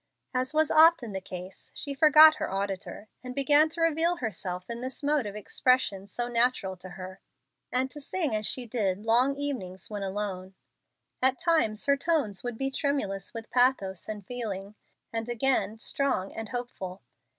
As was often the case, she forgot her auditor, and began to reveal herself in this mode of expression so natural to her, and to sing as she did long evenings when alone. At times her tones would be tremulous with pathos and feeling, and again strong and hopeful.